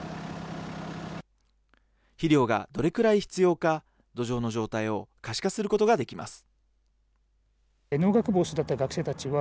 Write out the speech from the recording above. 肥料がどれくらい必要か、土壌の状態を可視化することができます。